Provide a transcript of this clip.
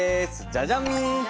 ジャジャン。